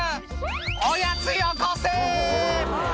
「おやつよこせ！」